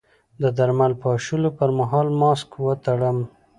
د درمل پاشلو پر مهال ماسک وتړم؟